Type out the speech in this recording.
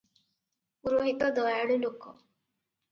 ପୁରୋହିତ ଦୟାଳୁ ଲୋକ ।